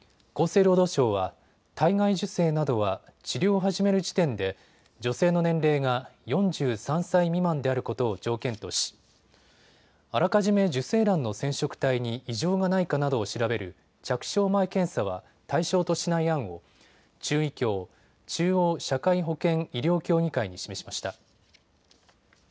厚生労働省は体外受精などは治療を始める時点で女性の年齢が４３歳未満であることを条件としあらかじめ受精卵の染色体に異常がないかなどを調べる着床前検査は対象としない案を中医協・中央社会保険医療協議会に示しました。